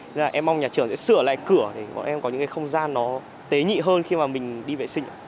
nên là em mong nhà trường sẽ sửa lại cửa để bọn em có những cái không gian nó tế nhị hơn khi mà mình đi vệ sinh ạ